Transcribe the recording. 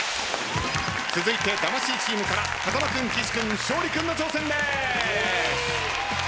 続いて魂チームから風間君岸君勝利君の挑戦です。